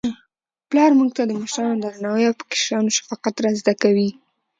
پلار موږ ته د مشرانو درناوی او په کشرانو شفقت را زده کوي.